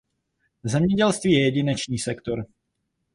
Zemědělství je jedinečný sektor.